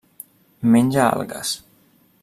Menja algues.